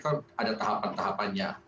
misalnya kalau er empat per ada tahapan tahapannya